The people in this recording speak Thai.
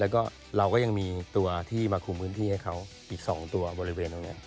แล้วก็เราก็ยังมีตัวที่มาคุมพื้นที่ให้เขาอีก๒ตัวบริเวณตรงนี้